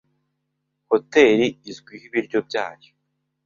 Hoteri izwiho ibiryo byayo.